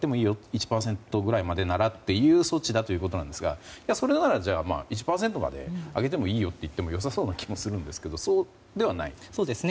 １％ぐらいまでならという措置なんですがそれなら、１％まで上げてもいいよと言ってもよさそうな気もするんですけどそうではないと？